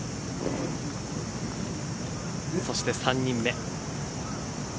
そして３人目。